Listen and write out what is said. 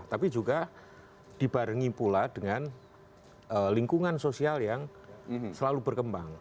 tapi juga dibarengi pula dengan lingkungan sosial yang selalu berkembang